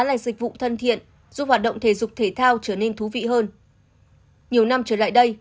là dịch vụ thân thiện giúp hoạt động thể dục thể thao trở nên thú vị hơn nhiều năm trở lại đây